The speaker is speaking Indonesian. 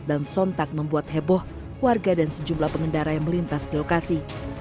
dan sontak membuat heboh warga dan sejumlah pengendara yang melintas di lokasi